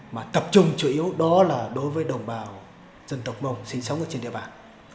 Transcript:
mà tập trung chủ yếu đó là đối với đồng bào dân tộc mông sinh sống ở trên địa bàn